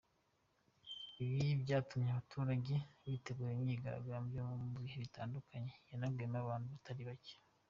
Ibi byatumye abaturage bategura imyigaragambyo mu bihe bitandukanye yanaguyemo abantu batari bake.